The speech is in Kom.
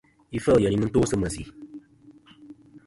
Ifêl yèyn ì nɨn to sɨ mèsì.